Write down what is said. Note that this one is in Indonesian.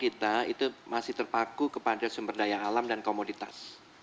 kita itu masih terpaku kepada sumber daya alam dan komoditas